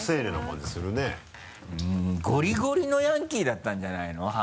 ゴリゴリのヤンキーだったんじゃないの？